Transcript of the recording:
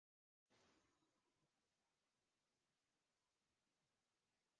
რევოლუციამდე იაკობი იყო იუდეური კანონების დამხმარე ადვოკატი.